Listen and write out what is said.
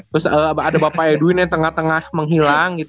terus ada bapak edwin yang tengah tengah menghilang gitu